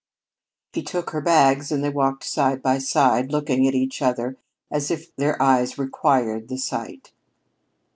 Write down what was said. He took her bags and they walked side by side, looking at each other as if their eyes required the sight.